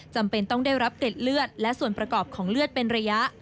จำเป็นต้องได้รับเกร็ดเลือดและส่วนประกอบของเลือดเป็นระยะ